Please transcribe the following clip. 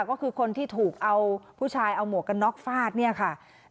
ก็คือคนที่ถูกเอาผู้ชายเอาหมวกกันน็อกฟาดเนี่ยค่ะ